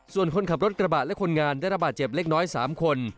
ส่วนคนขับรถกระบะและคนงานได้ระบาดเจ็บเล็กน้อย๓คน